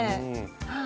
はい。